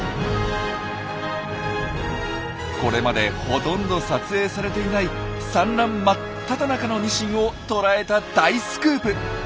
これまでほとんど撮影されていない産卵真っただ中のニシンを捉えた大スクープ！